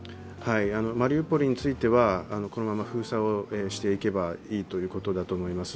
マリウポリについては、このまま封鎖していけばいいということだと思います。